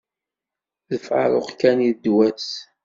D faruq kan i d ddwa-s.